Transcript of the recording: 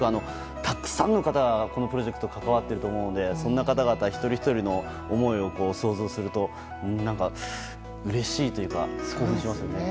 たくさんの方がプロジェクトにかかわっていると思うのでそんな方々一人ひとりの思いを想像するとうれしいというか興奮しますよね。